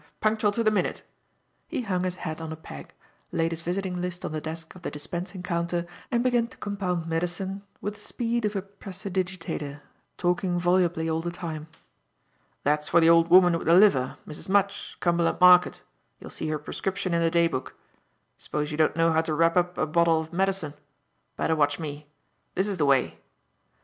Punctual to the minute!" He hung his hat on a peg, laid his visiting list on the desk of the dispensing counter and began to compound medicine with the speed of a prestidigitateur, talking volubly all the time. "That's for the old woman with the liver, Mrs. Mudge, Cumberland Market, you'll see her prescription in the day book. S'pose you don't know how to wrap up a bottle of medicine. Better watch me. This is the way."